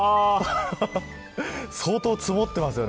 相当積もってますよね。